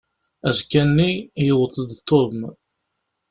Azekka-nni, yewweḍ-d Tom.